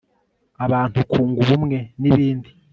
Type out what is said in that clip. abantu kunga ubumwe nibindi